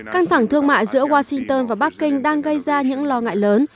căng thẳng thương mại giữa washington và bắc kinh đang gây ra những lo ngại lớn